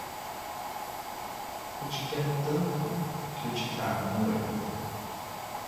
Eu te quero tanto, que eu te trago um olho.